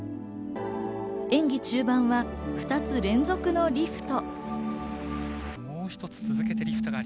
演技中盤は２つ連続のリフト。